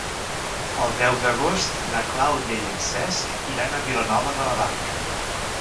El deu d'agost na Clàudia i en Cesc iran a Vilanova de la Barca.